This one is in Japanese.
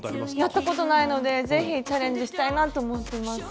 やったことないので是非チャレンジしたいなと思ってます。